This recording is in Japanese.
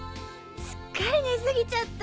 すっかり寝すぎちゃった。